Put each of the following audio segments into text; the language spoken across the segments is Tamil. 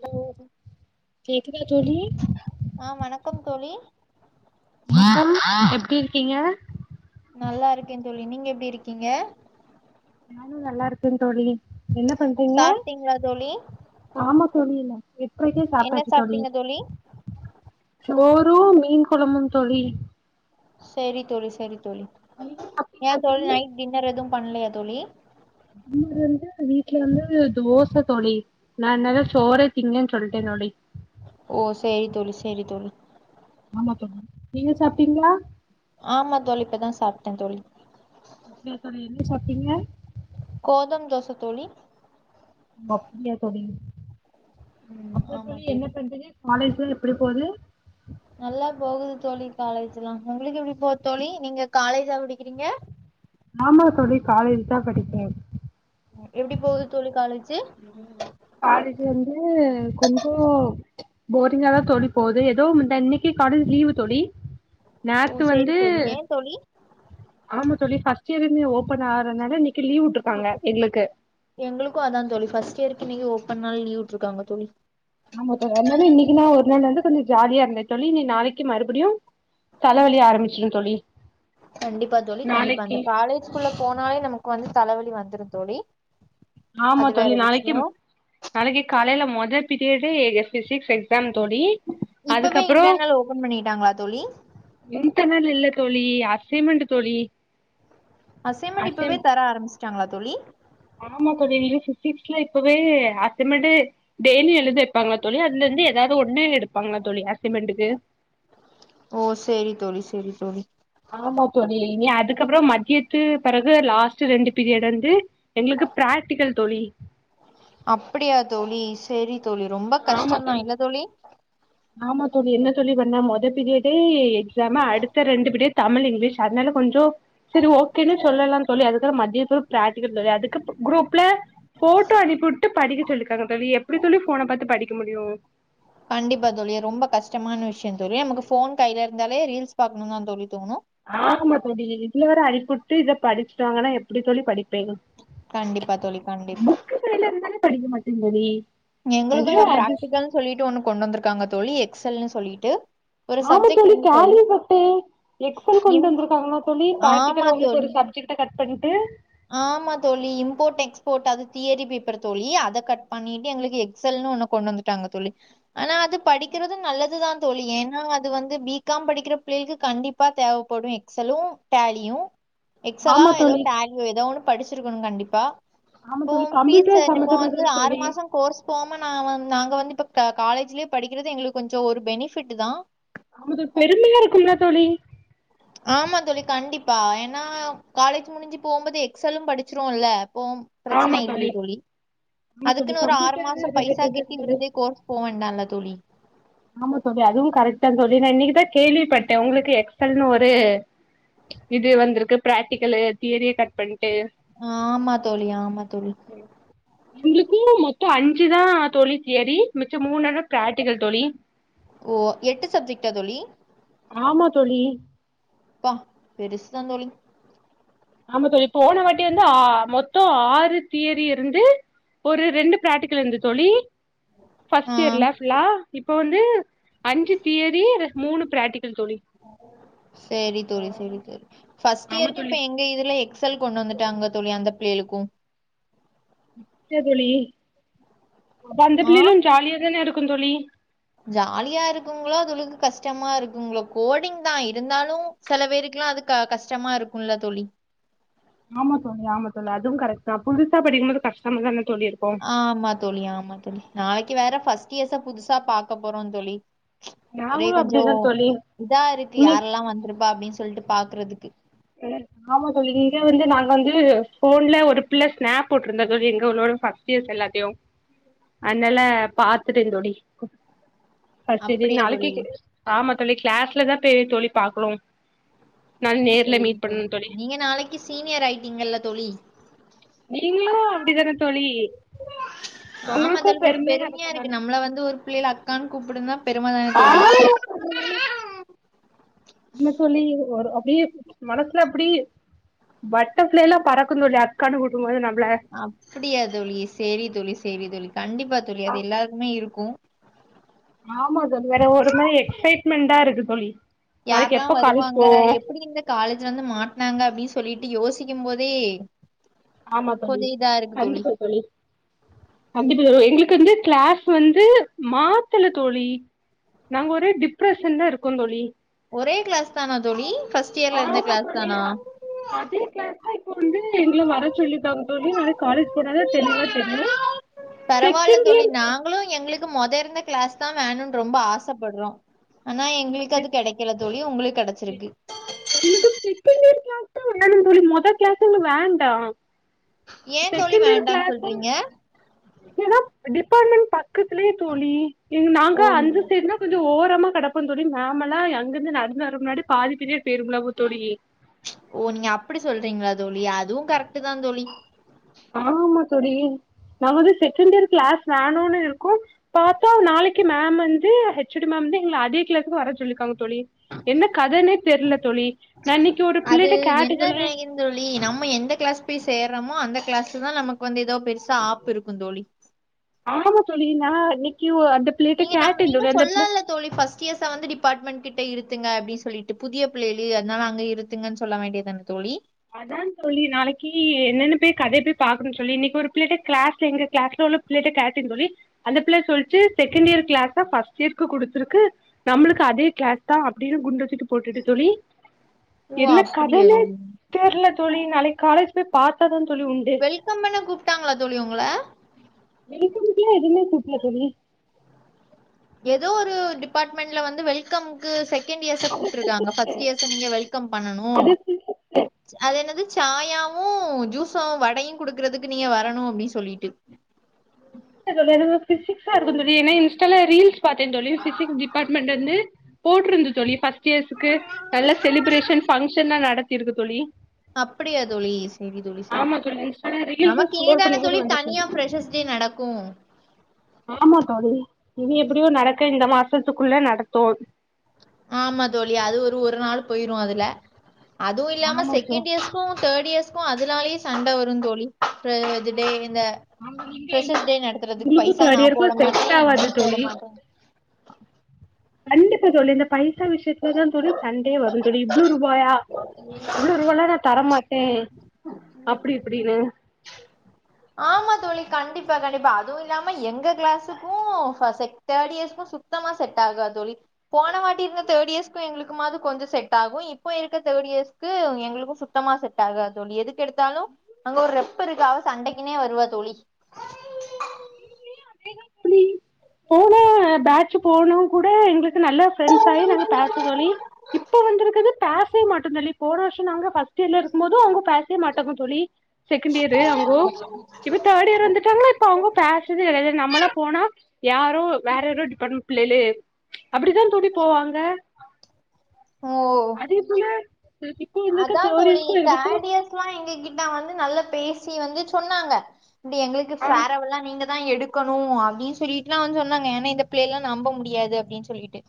ஹலோ கேக்குதா தோழி ஆ வணக்கம் தோழி அப்றம் எப்டி இருக்கீங்க நல்லா இருக்கே தோழி நீங்க எப்டி இருக்கீங்க நானு நல்லா இருக்கே தோழி என்ன பண்றீங்க சாப்ட்டீங்களா தோழி ஆமா தோழி இல்ல எட்றேக்கே என்ன சாப்டாச்சு தோழி சாப்ட்டீங்க சோரு மீன் குழமும் தோழி செரி தோழி செரி தோழி நீங்க ஏ சாப்ட்டீங்களா தோழி நைட் டின்னர் எதுவும் பண்ணலையா தோழி நம்ம வந்து வீட்ல வந்து தோச தோழி நா என்னது சோரே திங்க சொல்டே தோழி ஓ செரி தோழி செரி தோழி ஆமா தோழி நீங்க சாப்ட்டீங்களா ஆமா தோழி இப்பதா சாப்டே தோழி அப்டியா ‌தோழி என்ன சாப்டிங்க கோதும் தோச தோழி அப்டியா தோழி ம் அப்டி ஆமா தோழி என்ன பண்றீங்க காலேஜ்ல எப்டி போது நல்லா போகுது தோழி காலேஜ்ல்லா உங்களுக்கு எப்டி போது தோழி நீங்க காலேஜா படிக்கிறீங்க ஆமா தோழி காலேஜ் தா படிக்கே எப்டி போது தோழி காலேஜு காலேஜ் வந்து கொஞ்சோ போரிங்காதா தோழி போது ஏதோ இந்த இன்னைக்கு காலேஜ் லீவு தோழி ஓ நாத்து சேரி வந்து தோழி ஏன் தோழி ஆமா தோழி ஃபஸ்ட் இயர் இன்யு ஓப்பன் ஆறனால இன்னைக் லீவ் உட்ருக்காங்க எங்களுக்கு எங்ளுக்கு அதா தோழி ஃபஸ்ட் இயர்க் இன்னிக்கு ஓப்பன்னால் லீவ் உட்ருக்காங்க தோழி ஆமா தோழி அத்னால இன்னிக்குன்னா ஒரு நாள் வந்து கொஞ்சோ ஜாலியா இருந்தே சொல்ல இனி நாளைக்கு மறுபடியு தலவலி ஆரம்பிச்சிரு தோழி கண்டிப்பா தோழி கண்டிப்பா நாளைக்கு அந்த காலேஜ்குள்ள போனாலே நமக் வந்து தலவலி வந்துரு தோழி ஆமா அது வேற தோழி விஷ்யோ நாளைக்கும் நாளைக்கு காலைல மொத பீரியடே எ ஃபிசிக்ஸ் எக்ஸாம் தோழி இப்பவே அதுக்கப்புறோ இன்டர்னல் ஓப்பன் பண்ணிட்டாங்ளா தோழி இன்டர்னல் இல்ல தோழி அசைமெண்ட்டு தோழி அசைமெண்டு அசைன் இப்பவே தர ஆரம்பிச்ட்டாங்ளா தோழி ஆமா தோழி ஐயோ ஃபிசிக்ஸ்லா இப்பவே அசைமெண்டே டெய்லி எழுத வெப்பாங்களா தோழி அதுலருந்து எதாவது ஒன்னு எடுப்பாங்களா தோழி அசைமெண்டுக்கு ஓ சேரி தோழி சேரி தோழி ஆமா தோழி இனி அதுக்கப்பறோ மதியத்து பெறகு லாஸ்ட்டு ரெண்டு பீரியட் வந்து எங்களுக்கு ப்ராக்ட்டிக்கல் தோழி அப்பிடியா தோழி சேரி தோழி ரொம்ப கஷ்டந்தா இல்ல தோழி ஆமா தோழி என்ன தோழி பண்ண மொத பீரியடே எக்ஸாமு அடுத்த ரெண்டு பீரியட் தமிழ், இங்லீஷ் அதுனால கொஞ்சோ செரி ஓகேன்னு சொல்லலா தோழி அதுக்கப்றோ மதியோ ப் ப்ராக்ட்டிக்கல் தோழி அதுக்கப்ப குரூப்ல ஃபோட்டோ அனிப்வுட்டு படிக்க சொல்லிர்க்காங்க எப்டி தோழி போன பாத்து படிக்க முடியு கண்டிப்பா தோழி ரொம்ப கஷ்டமான விஷ்யோ தோழி நமக்கு ஃபோன் கைல இருந்தாலே ரீல்ஸ் பாக்கணுன் தா தோழி தோணு ஆமா தோழி இதுல வேற அனிப்புட்டு இத படிச்சிட்டு வாங்கன்னா எப்டி தோழி படிப்பே கண்டிப்பா தோழி கண்டிப்பா புக்ல எல்லா இருந்தாலே படிக்க மாட்டே தோழி எங்களுக்கு அதுவே எல்லா அது ப்ராக்ட்டிக்கல்னு சொல்லிட்டு ஒன்னு கொண்டு வந்திருக்காங்க தோழி எக்ஸ் எல் னு சொல்லிட்டு ஒரு ஆமா சப்ஜெக்ட் தோழி இருந்து கேள்விப்பட்டே எக்ஸ் எல் கொண்டு இம் வந்திருக்காங்களா தோழி ஆமா ப்ராக்ட்டிக்கல் உங்களுக்கு தோழி ஒரு சப்ஜெக்ட் ட கட் பண்ணிட்டு ஆமா தோழி இம்போட் எக்ஸ்போட் அது தியரி பேப்பர் தோழி அத கட் பண்ணிட்டு எங்களுக்கு எக்ஸ் எல் னு ஒன்ன கொண்டு வந்து ட்டாங்க தோழி ஆனா அது படிக்கறது நல்லது தா தோழி ஏனா அது வந்து பி காம் படிக்கிற பிள்ளையள்க்கு கண்டிப் பா தேவப்படு எக்ஸ் எலு, டேலியு எக்ஸ் எலா ஆமா எதோ தோழி டேலியோ எதோ ஒன்னு படிச்சிருக்கணு கண்டிப்பா ஆமா தோழி போம் ஃபீஸ் கம்ப்யூட்டர் என்ன இப்போ வந்து சம்பந்தமாதான ஆறு தோழி மாசோ கோர்ஸ் போம நா வந் நாங்க வந்து இப்ப க காலேஜ்லயே படிக்கிறது எங்களுக் கொஞ்சோ ஒரு பெனிஃபிட்டு தா ஆமா இது ஒரு பெருமையா இருக்குல்ல தோழி ஆமா தோழி கண்டிப்பா ஏனா காலேஜ் முடிஞ்சு போம்போது எக்ஸ் எலு படிச்சிருவோல்ல போம் பிரச்சன இல்லயே தோழி ஆமா தோழி அதுக்குனு ஒரு ஆறு கம்ப்யூட்டர் மாசோ பைசா ரிலேட்டடா கெட்டி இருக்குது விட்றது கோர்ஸ் போ வேண்டால்ல தோழி ஆமா தோழி அதுவு கரெக்ட் தா தோழி நா இன்னிக்கு தா கேள்விப்பட்டே உங்களுக்கு எக்ஸ் எல் னு ஒரு இது வந்துருக்கு ப்ராக்ட்டிக்கலு தியரிய கட் பண்ட்டு அ ஆமா தோழி ஆமா தோழி எங்களுக்குல்லா மொத்தோ அஞ்சு தா தோழி தியரி மிச்சோ மூணன்னோ ப்ராக்டிக்கல் தோழி ஓ எட்டு சப்ஜெக்ட்டா தோழி ஆமா தோழி பா பெருஸ்தா தோழி ஆமா தோழி போன வாட்டி வந்து ஆ மொத்தோ ஆறு தியரி இருந்து ஒரு ரெண்டு ப்ராக்ட்டிக்கல் இருந்துது தோழி ஆ ஃபஸ்ட் இயர்ல ஃபுல்லா இப்ப வந்து அஞ்சு தியரி ரெ மூணு ப்ராக்ட்டிக்கல் தோழி சேரி தோழி சேரி தோழி ஃபஸ்ட் ஆமா இயர்க்கு தோழி இப்ப எங் க இதுல எக்ஸ் எல் கொண்டு வந்துட்டாங்க தோழி அந்த பிள்ளையளுக்கு சேரி தோழி அந்த ஆ பிள்ளையலு ஜாலியா தான இருக்கு தோழி ஜாலியா இருக்குங்ளோ அதுகுளுக்கு கஷ்டமா இருக்குங்ளோ கோடிங் தா இருந்தாலு சில பேருக்குலா அது க கஷ்டமா இருக்கும்ல தோழி ஆமா தோழி ஆமா தோழி அதுவு கரெக்ட்தா புதுசா படிக்கும் போது கஷ்டமா தான தோழி இருக்கும் ஆமா தோழி ஆமா தோழி நாளைக்கி வேற ஃபஸ்ட் இயர்ஸ புதுசா பாக்க போறோ தோழி ஒரே நாங்களு கொஞ்சோ அப்டிதா தோழி இதா இருக்கு இன்னைக்கு யாரெல்லா வந்துருப்பா அப்டின்னு சொல்ட்டு பாக்குறதுக்கு ம் ஆமா தோழி இங்க வந்து நாங்க வந்து ஸ்கூல்ல ஒரு பிள்ள ஸ்னாப் போட்டுருந்தா தோழி எங்க உள்ள பக் ஃபர்ஸ்ட் இயர்ஸ் எல்லாத்தையு அதனால பாத்துட்ட தோழி அ செரி அப்படியா நாளைக்கி தோழி ஆமா தோழி கிளாஸ்லதா போய் தோழி பாக்ணு நா நே சேரிங் தோழி நீங்க நாளைக்கி சீனியர் ஆயிட்டீங்கல தோழி நீங்களு அப்டிதான தோழி ஆமா உங்களுக்கு தோழி கொஞ்சோ பெருமையா இருக்கு இருக்கதானே நம்மள வந்து ஒரு பிள்ளைல அக்கானு கூப்பிடுதுனா பெரும தான தோழி ஆமா தோழி ஒரு அப்டியே மனசுல அப்டி பட்டர்ஃப்ளை லா பறக்கு தோழி அக்கானு கூப்புடும்போது நம்பள அப்டியா தோழி சேரி தோழி சேரி தோழி கண்டிப்பா தோழி அது எல்லாருக்குமே இருக்கும் ஆமா தோழி வேற ஒரு மாரி எக்ஸைட்மெண்டா இருக்கு தோழி நாளைக்கு யாருல்லா எப்ப காலேஜ் வருவாங்க போவோ எப்டி இந்த காலேஜ்ல வந்து மாட்னாங்க அப்டினு சொல்லிட்டு யோசிக்கும் போதே ஆமா தோழி கொஞ்சோ இதா இருக்கு கண்டிப்பா தோழி கண்டிப்பா தோழி எங்களுக்கு வந்து கிளாஸ் வந்து மாத்துல தோழி நாங்க ஒரே டிப்ரஷன்ல இருக்கோ தோழி ஒரே கிளாஸ் தானா தோழி ஃபஸ்ட் இயர்ல இருந்த ஆமா கிளாஸ் தோழி தானா அதே கிளாஸ் தா இப்ப வந்து எங்கள வர சொல்லிருக்காங்க தோழி நாளைக்கு காலேஜ் போனா தா தெளிவா தெரியு பரவால செகண்ட் தோழி நாங்களு எங்குளுக்கு மொத இருந்த கிளாஸ் தா வேணுனு ரொம்ப ஆசப்படுறோ ஆனா எங்களுக்கு இயர் அது கிடைக்கல தோழி உங்களுக்கு அது கிடச்சிருக்கு எங்களுக்கு ஸ்விப்பிங்கு கிளாஸ் தா வேணு தோழி மொத கிளாஸ்லா வேண்டா ஏ தோழி செகண்ட் இயர் வேண்டான்னு கிளாஸும் சொல்றீங்க ஏனா டிபார்ட்மெண்ட் பக்கத்துலயே தோழி நாங்க ஓ அந்த சைடுனா கொஞ்சோ ஓரமா கிடப்போ தோழி மேம் எல்லா அங்க இருந்து நடந்து வரு முன்னாடி பாதி பீரியட் போயிருங்கள தோழி ஓ நீங்க அப்டி சொல்றீங்களா தோழி அதுவு கரெக்ட் தா தோழி ஆமா தோழி நாங்க வந்து செகண்ட் இயர் கிளாஸ் வேணூனு இருக்கோ பாத்தா நாளைக்கு மேம் வந்து ஹெச்ஒடி மேம் வந்து எங்கள அதே கிளாசுக்கு வர சொல்லிருக்காங்க தோழி என்ன கதனே தெர்ல தோழி நா இன்னிக்கு ஒரு பிள்ளைட்ட கேட்ட சொல்லே ந்தோழி நம்ம எந்த கிளாஸ் போய் சேர்றோமோ அந்த கிளாஸ்ல தா நமக்கு வந்து ஏதோ பெருசா ஆப்பு இருக்கு தோழி ஆமா தோழி நா இன்னிக்கு ஒ அந்த பிள்ளைட்ட நீங்க நம்ம கேட்ட நீங்க தோழி அந்த பிள்ள சொல்லலால்ல தோழி ஃபர்ஸ்ட் இயர்ஸ வந்து டிபார்ட்மெண்ட் கிட்ட இருத்துங்க அப்டினு சொல்லிட்டு புதிய புள்ளைகளுக்கு அதுனால அங்க இரு துங்கனு சொல்ல வேண்டியது தான தோழி அதா தோழி நாளைக்கி என்னனு போயி கதைய போய் பாக்குணு தோழி இன்னிக்கி ஒரு பிள்ளைட்ட கிளாஸ்ல எங்க கிளாஸ்ல உள்ள பிள்ளைட்ட கேட்ட தோழி அந்த பிள்ளை சொல்ச்சு செகண்ட் இயர் கிளாஸ ஃபர்ஸ்ட் இயர்கு குடுத்துருக்கு நம்புளுக்கு அதே கிளாஸ் தா அப்டினு குண்ட‌ தூக்கி போட்டுட்டு தோழி ஓ என்ன அப்டியா கதனே தோழி தெர்ல தோழி நாளைக்கு காலேஜ் போய் பாத்தா தா தோழி உண்டு வெல்கம் பண்ண கூப்ட்டாங்களா தோழி உங்கள வெல்கம்குலா எதுமே கூப்புடுல தோழி ஏதோ ஒரு டிபார்ட்மெண்ட்ல வந்து வெல் கமுக்கு செகண்ட் இயர்ஸ கூப்டுருக்காங்க ஃபர்ஸ்ட் இயர்ஸ நீங்க வெல்கம் பன்னனு அது அது என்னது சாயாவு ஜூஸு வடயு குடுக்கறதுக்கு நீங்க வரணு அப்டின்னு சொல்லிட்டு [unintelligible] பிசிக்ஸா இருக்கு தோழி ஏனா இன்ஸ்டால ரீல்ஸ் பாத்தேந்தோழி ஃபிஷிக்ஸ் டிபார்ட்மெண்ட்டருந்து போட்டுருந்து தோழி ஃபஸ் ட் இயர்ஸ்க்கு நல்ல செலிப்ரேஷன் பங்க்ஷன்லா நடத்திருக்கு தோழி அப்டியா தோழி செரி தோழி செரி ஆமா தோழி இன்ஸ்டால ரீல்ஸ் நமக்கு ஸ்க்ரோல் இனிதான பண்ணும்போது தோழி வந்துச்சு தனியா ஃப்ரெஷ்ஸஷ் டே நடக்கு ஆமா தோழி இனி எப்டியு நடக்க இந்த மாசத்துக்குள்ள நடத்தோ ஆமாத்தோழி அது ஒரு ஒரு நாள் போயிரு அதுல அதுவு இல்லாம ஆமா தோ செகண்ட் இயர்ஷ் க்கு தேட் இயர்ஸ்க்கு அதுனாலயே சண்ட வருந்தோழி இது ப்ரேஜ் டே இந்த ஃப்ரெஷஸ் டே நடத்துறதுக் உங்களுக்கு பைசா தேர்ட் நா இயருக்கு போட மாட்டே செட் நீ ஆவாது போட தோழி மாட்ட கண்டிப்பா தோழி இந்த பைசா விஷ்யத்லதா தோழி சண்டயே வருந்தோழி இவ்ளோ ரூபாயா இவ்ளோ ரூவலா நா தரமாட்டே அப்டி இப்டினு ஆமாத்தோழி கண்டிப்பா கண்டிப்பா அதுவு இல்லாம எங்க கிளாஸுக்கு ஃபஸ் செக் தேட் இயர்ஸ்க்கு சுத் த்தமா செட்டாகாத்தோழி போன வாட்டி இருந்த தேட் இயர்ஸ்க்கு எங்ளுக்கு மாது கொஞ்ச செட் ஆகு இப்ப இருக்க தேட் இயர்ஸ் க்கு எங்களுக்கு சுத்தமா செட் ஆகாத்தோழி எதுக்கெடுத்தாலு அங்க ஒரு ரெப் இருக்கா அவ சண்டைக் குனே வருவா தோழி போன பேஜ்ஜு போனவ்ங் கூட எங்களுக் கு நல்ல ஃபிரெண்ஸ் ஆகி நாங்க பேஜ்ஜு தோழி இப்ப வந்திருக்குது பேசவே மாட்டந்தோழி போனா வரஷோ நாங்க ஃபஸ்ட் இயர்ல இருக்கு போது அவுங்க பேஸ்வே மாட்டாங்க தோழி செகண்ட் இயரு அவுங்கோ இப்ப தேட் இயர் வந்துட்டாங்ளா இப்ப அவுங்கோ பேசறதே கெடயாது நம்மல்லா போனா யாரோ வேறொரு டிபாண்ட்மென்ட் புள்ளைலு அப்டிதா தோழி போவாங்க ஓ அதே போல இப்போ இருக்க தேர்ட் அதாந்தோழி இயர்க்கு இப்ப எங்களுக்கு தேட் அவங்க இயர்ஸ் லா எங்க கிட்ட வந்து நல்லா பேசி வந்து சொன்னாங்க அப்டி எங்களுக்கு ஃபேரவல்லா நீங்க தா எடுக்கணு அப்டின் சொல்லிட்டுல்லா வந்து சொன்னாங்க ஏனா இந்த பிள்ளைல்லா நம்ப முடியாது அப்டின் சொல்லீட்டு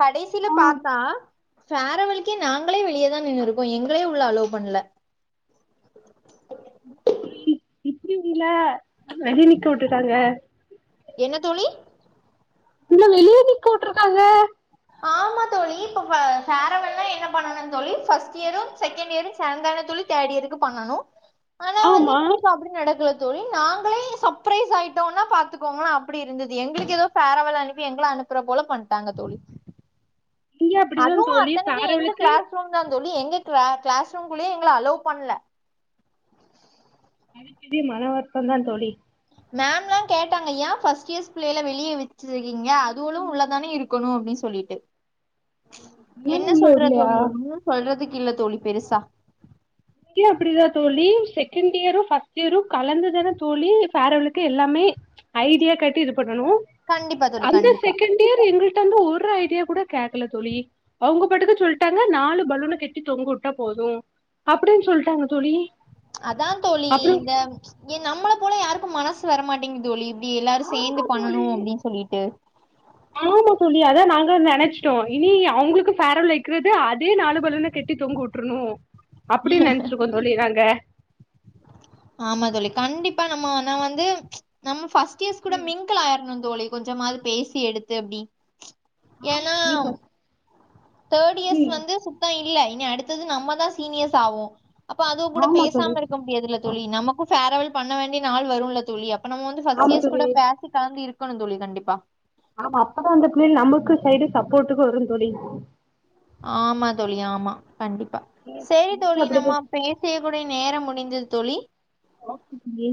கடைசியில பாத்தா ஃபேரவலுக்கே நாங்களே வெளியதா நின்னுரு க்கோ எங்கலயே உள்ள அலோவ் பண்ல [inaudible] தோழி இப்டி உங்ள வெளிய நிக்க உட்டுட்டாங்க என்ன தோழி உங்கள வெளிய நிக்க உட்ருக்காங்க ஆமா தோழி இப்ப பே ஃபேரவல்லா என்ன பண்ணனு தோழி ஃபர்ஸ்ட் இயரு செகண்ட் இயரு சேந்தானா தோழி தேடியருக்கு பண்ணணு ஆனா ஆமா இப்ப அப்டி நடக்கல தோழி நாங்களே சப்ரைஸ் ஆயிட்டோனா பாத்துக்கோங்களா அப்டி இருந்தது எங்களுக்கு ஏதோ ஃபேரவல் அனுப்பி எங்கள அனுப்புற போல பண்ட்டாங்க தோழி இங்க அப்டிதா அதுவு தோழி அத்தனைக்கி எங்க ஃபேர்வெலுக்கு க்ளாஸ் ரூம் தா தோழி எங்க க்ளா க்ளாஸ் ரூம்குள்ளயே எங்கள அலோவ் பண்ல அதுக் [inaudible] மனவருத்தந்தா தோழி மேம்லா கேட்டாங்க ஏ ஃபஸ்ட் இயர்ஸ் புள்ளைல வெளிய வெச்சிருக்கீங்க அதுவுலு உள்ளதானே இருக் கணு அப்டின் சொல்லீட்டு அதனால என்ன உள்ள சொல்றத் விட்லையா தோழி ஒன்னு சொல்றதுக்கில்ல தோழி பெருசா இங்கயு அப்டிதா தோழி செகண்ட் இயரு ஃபஸ்ட் இயரு கலந்துதானா தோழி ஃபேரவளுக்கு எல்லாமே ஐடியா கேட்டு இது பண்ணணு கண்டிப்பா தோழி அந்த கண்டிப்பா செகண்ட் இயர் எங்கள்ட்ட வந்து ஒரு ஐடியா கூட கேக்கல தோழி அவுங்க பாட்டுக்கு சொல்ட்டாங்க நாலு பலூன கெட்டி தொங்குட்டா போது அப்டின் சொல்ட்டாங்க தோழி அதாந்தோழி அப்றோ இந்த எ நம்மள போல யாருக்கு மனசு வரமாட்டிங் தோழி இப்டி எல்லாரு ஆமா சேந்து பண்ணனு தோழி அப்டின் சொல்லீட்டு ஆமா தோழி அதா நாங்க நெனச்சிட்டோ இனி அவுங்களுக்கு ஃபேரவல் வெக்கிறது அதே நாலு பலூன கட்டி தொங்க உட் றனு அப்டின் நெனச்சிட்ருக்கோ தோழி நாங்க ஆமா தோழி கண்டிப்பா நம்மனா வந்து நம்ம ஃபஸ்ட் இயர்ஸ் கூட மிங்கிள் ஆயிர்ணு தோழி கொஞ்சமாது பேசி எடுத்து அப்டி ஆம் ஏனா தேர்ட் இயர்ஸ் ம் வந்து சுத்த இல்ல இனி அடுத்தது வந்து நம்ம தா சீனியர்ஸ் ஆவோ அப்ப அதுவு கூட ஆமா தோழி பேசாம இருக்க முடியாதுல்ல தோழி நமக்கு ஃபேர்வல் பண்ண வேண்டிய நாள் வருல தோழி அப் ப நம்ம வந்து ஃபஸ்ட் ஆமா இயர்ஸ் தோழி கூட பேசிகாங்கி இருக்கணு தோழி கண்டிப்பா ஆமா அப்பதா அந்த புள்யல் நமக்கு சைடு சப்போட்டுக்கு வரு தோழி ஆமா தோழி ஆமா கண்டிப்பா ம், செரி தோழி நம்ம அப்படிதான் பே சிய கூடிய நேரம் முடிந்தது தோழி ம் மீ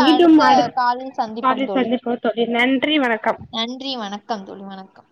மீண்டும் அடுத்த அடு காலில் சந்திப்போம் காலில் தோழி சந்திப்போ தோழி நன்றி வணக்கம் கந்தோழி வணக்கம்